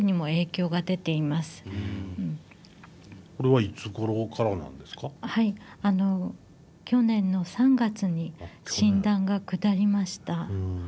はい去年の３月に診断が下りました。